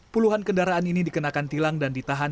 puluhan kendaraan ini dikenakan tilang dan ditahan